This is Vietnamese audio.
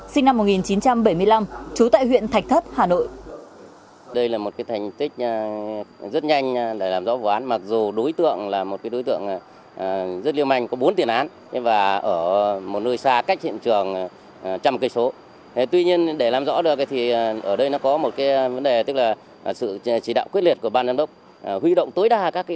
sinh năm một nghìn chín trăm bảy mươi năm trú tại huyện thạch thất hà nội